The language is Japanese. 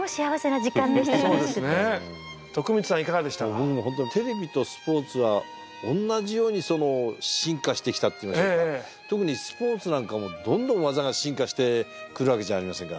僕も本当にテレビとスポーツは同じように進化してきたっていいましょうか特にスポーツなんかはもうどんどん技が進化してくるわけじゃありませんか。